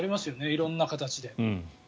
色んな形で。